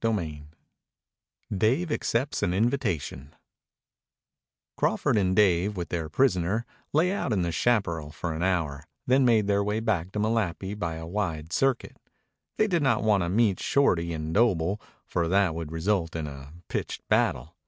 CHAPTER XXVI DAVE ACCEPTS AN INVITATION Crawford and Dave, with their prisoner, lay out in the chaparral for an hour, then made their way back to Malapi by a wide circuit. They did not want to meet Shorty and Doble, for that would result in a pitched battle.